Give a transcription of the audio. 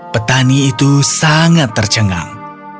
petani itu sangat tercengang